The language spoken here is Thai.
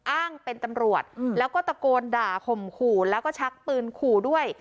อ้างเป็นตำรวจแล้วก็ตะโกนด่าข่มขู่แล้วก็ชักปืนขู่ด้วย